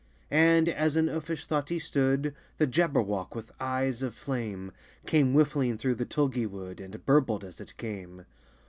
And, as in uffish thought he stood, The Jabberwock, with eyes of flame, Came whiffling through the tulgey wood, And burbled as it came!